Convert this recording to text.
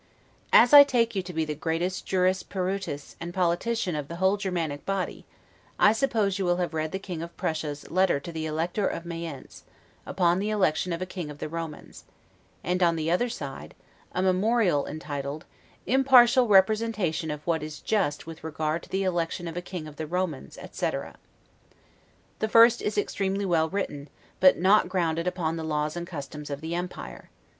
As I take you to be the greatest 'juris peritus' and politician of the whole Germanic body, I suppose you will have read the King of Prussia's letter to the Elector of Mayence, upon the election of a King of the Romans; and on the other side, a memorial entitled, IMPARTIAL REPRESENTATION OF WHAT IS JUST WITH REGARD TO THE ELECTION OF A KING OF THE ROMANS, etc. The first is extremely well written, but not grounded upon the laws and customs of the empire.